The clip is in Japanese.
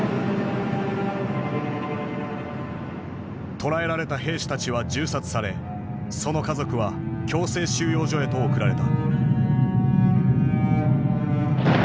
捕らえられた兵士たちは銃殺されその家族は強制収容所へと送られた。